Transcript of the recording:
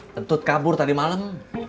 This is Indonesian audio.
tentu kabur tadi malam